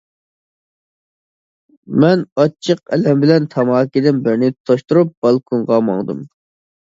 مەن ئاچچىق ئەلەم بىلەن تاماكىدىن بىرنى تۇتاشتۇرۇپ بالكونغا ماڭدىم.